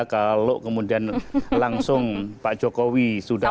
kalau kemudian langsung pak jokowi sudah